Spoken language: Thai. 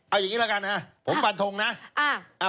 เอาอย่างนี้ละกันฮะผมฟันทงนะ